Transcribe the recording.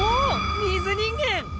水人間！